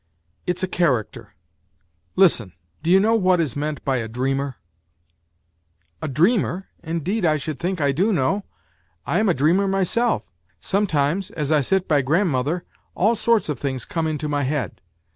"It's a character. Listen ; ao~~y6u know what is meant by a dreamer ?"" A dreamer ! Indeed I should think I do know. I am a dreamer myself. Sometimes, as I sit by grandmother, all sorts of things come into my head.